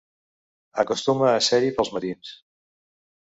Acostuma a ser-hi pels matins.